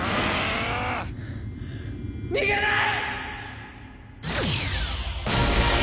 逃げない！